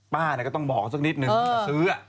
ป้าอะไรก็ต้องบอกเค้าสักนิดหนึ่งอยากจะซื้อ